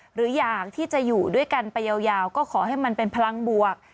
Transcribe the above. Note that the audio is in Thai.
หรืออยากที่จะอยู่ด้วยกันไปยาวก็ขอให้มันเป็นพลังบวก